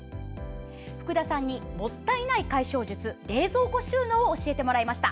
福田さんにもったいない解消術冷蔵庫収納を教えてもらいました。